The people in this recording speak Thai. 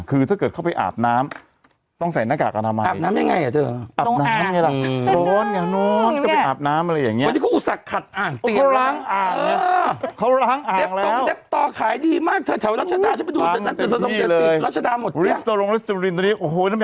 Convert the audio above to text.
คือถ้าเกิดเข้าไปอาบน้ำต้องใส่หน้ากากอนามัย